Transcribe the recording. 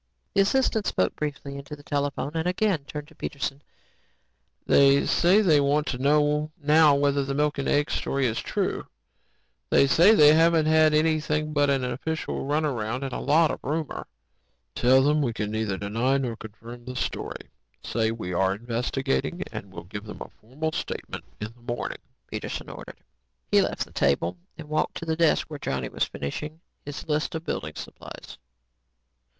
The assistant spoke briefly into the phone and again turned to Peterson. "They say they want to know now whether the milk and egg story is true. They say they haven't had anything but an official runaround and a lot of rumor." "Tell them we neither deny nor confirm the story. Say we are investigating. We'll give them a formal statement in the morning," Peterson ordered. He left the table and walked to the desk where Johnny was finishing his list of building supplies.